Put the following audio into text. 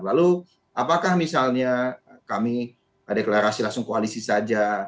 lalu apakah misalnya kami deklarasi langsung koalisi saja